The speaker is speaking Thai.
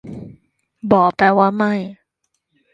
บ่ แปลว่า ไม่